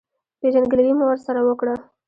پېژندګلوي مو ورسره وکړه.